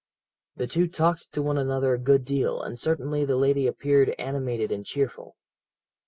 "The two talked to one another a good deal, and certainly the lady appeared animated and cheerful.